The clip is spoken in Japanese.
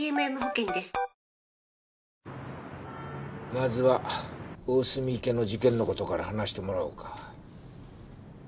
まずは大澄池の事件の事から話してもらおうか。